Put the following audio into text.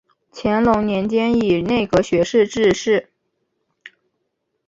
乾隆年间以内阁学士致仕。